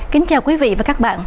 kính chào quý vị và các bạn